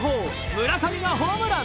村上がホームラン。